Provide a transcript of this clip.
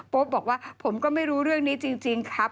ป๊ปบอกว่าผมก็ไม่รู้เรื่องนี้จริงครับ